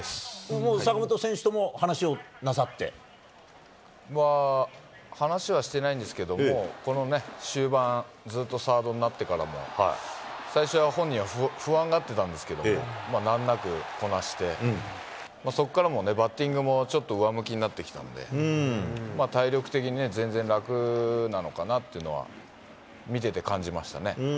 もう坂本選手とも話をなさっまあ、話はしてないんですけども、この終盤、ずっとサードになってからも、最初は本人は不安がってたんですけども、難なくこなしてそこからもね、バッティングもちょっと上向きになってきたんで、体力的に全然楽なのかなというのは見てて感じましたね。